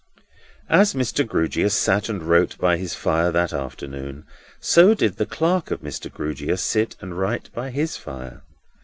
As Mr. Grewgious sat and wrote by his fire that afternoon, so did the clerk of Mr. Grewgious sit and write by his fire.